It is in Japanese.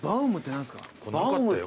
なかったよ